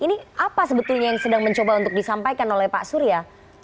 ini apa sebetulnya yang sedang mencoba untuk disampaikan oleh pak surya